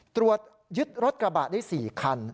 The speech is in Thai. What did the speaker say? ตรวจยึดรถกระบะได้๔คัน